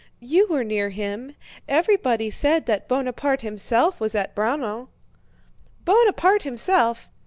You were near him. Everybody said that Buonaparte himself was at Braunau." "Buonaparte himself!...